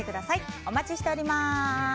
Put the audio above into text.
お待ちしております。